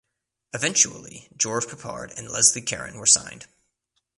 Eventually George Peppard and Leslie Caron were signed.